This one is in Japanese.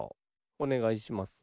おねがいします。